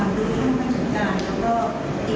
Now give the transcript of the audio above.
เมื่อคืนเราตริมของเทียบใบวันสำหรับเช้านั้นวันนี้